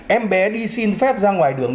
em bé đi xin phép ra ngoài đường